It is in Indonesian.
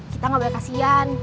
kita gak boleh kasian